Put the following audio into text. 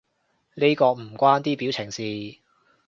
呢個唔關啲表情事